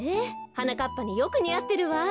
はなかっぱによくにあってるわ。